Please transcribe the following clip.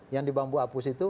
yang dibangun apus itu